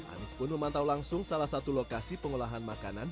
anies pun memantau langsung salah satu lokasi pengolahan makanan